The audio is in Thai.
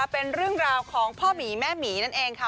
เป็นเรื่องราวของพ่อหมีแม่หมีนั่นเองค่ะ